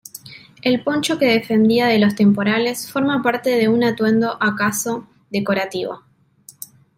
El poncho que defendía de los temporales forma parte de un atuendo acaso decorativo.